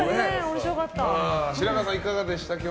白河さん、いかがでしたか？